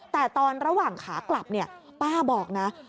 แต่ตอนระหว่างขากลับเนี่ยป้าบอกนะ